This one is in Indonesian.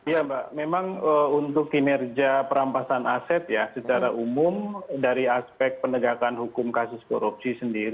ya mbak memang untuk kinerja perampasan aset ya secara umum dari aspek penegakan hukum kasus korupsi sendiri